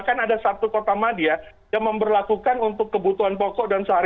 yang adalah apa yang harus mohon kettlelar untuk waktu penurunan kapal